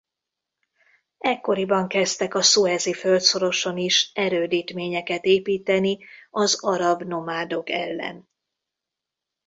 Ekkoriban kezdtek a Szuezi földszoroson is erődítményeket építeni az arab nomádok ellen.